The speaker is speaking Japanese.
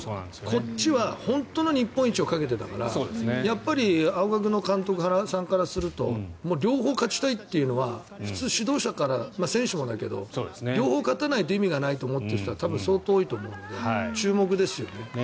こっちは日本一をかけていたからやっぱり、青学の監督原さんからするともう両方勝ちたいっていうのは普通、指導者から選手もだけど両方勝たないと意味がと思っている人は多分相当多いと思うので注目ですね。